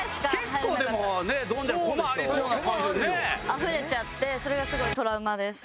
あふれちゃってそれがすごいトラウマです。